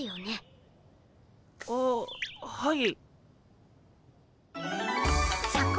あっはい。